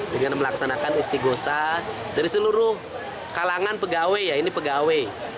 dengan melaksanakan istighosa dari seluruh kalangan pegawai ya ini pegawai